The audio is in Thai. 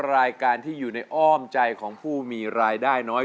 รายการที่อยู่ในอ้อมใจของผู้มีรายได้น้อย